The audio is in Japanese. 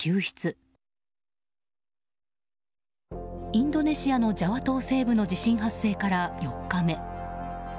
インドネシアのジャワ島西部の地震発生から４日目。